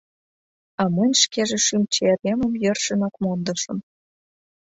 А мынь шкеже шӱм черемым йӧршынак мондышым.